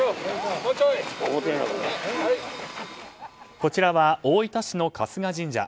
こちらは、大分市の春日神社。